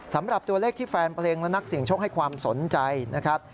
สำหรับตัวเลขที่แฟนเพลงและนักเสียงโชคให้ความสนใจนะครับ